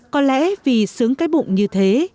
có lẽ vì sướng cái bụng như thế